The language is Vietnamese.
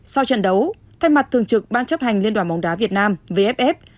sau trận đấu thay mặt thường trực ban chấp hành liên đoàn bóng đá việt nam vff